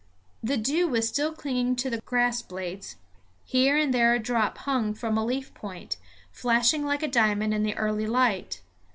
The dew was still clinging to the grass blades; here and there a drop hung from a leaf point, flashing like a diamond in the early light.